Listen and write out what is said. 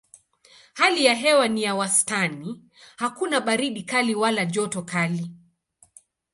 Hali ya hewa ni ya wastani: hakuna baridi kali wala joto kali.